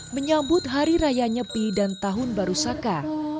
menyambut hari raya nyepi dan tahun baru saka